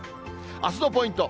あすのポイント。